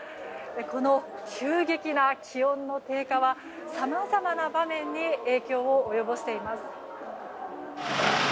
この急激な気温の低下はさまざまな場面に影響を及ぼしています。